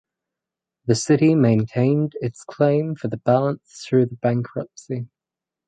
The city maintained its claim for the balance through the bankruptcy.